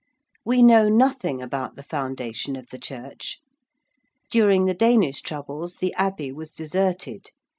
We know nothing about the foundation of the church. During the Danish troubles the Abbey was deserted.